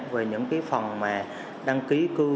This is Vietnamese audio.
về những phần đăng ký cư